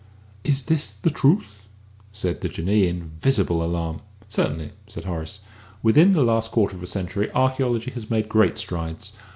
"Is this the truth?" said the Jinnee, in visible alarm. "Certainly," said Horace. "Within the last quarter of a century archæology has made great strides.